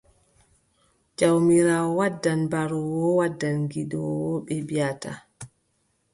Jawmiraawo wadda baroowo, wadda gidoowo, ɓe mbiʼata.